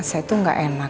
saya tuh gak enak